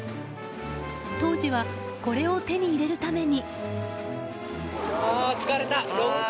当時はこれを手に入れるために。